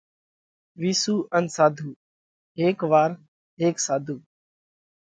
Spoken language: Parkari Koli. وِيسُو ان ساڌُو: هيڪ وار هيڪ ساڌُو